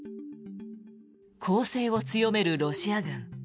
攻勢を強めるロシア軍。